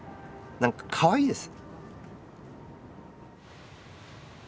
なんかかわいいです。